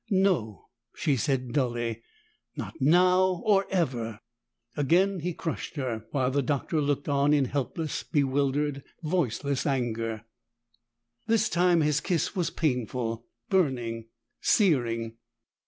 "No," she said dully. "Not now, or ever." Again he crushed her, while the Doctor looked on in helpless, bewildered, voiceless anger. This time his kiss was painful, burning, searing.